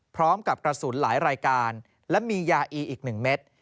พร้อมกับกระสุนหลายรายการและมียาอีอีก๑เม็ด